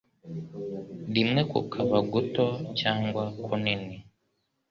rimwe kukaba guto cyangwa kunini.